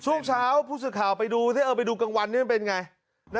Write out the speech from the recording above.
ช่วงเช้าผู้สื่อข่าวไปดูสิไปดูกลางวันนี้มันเป็นไง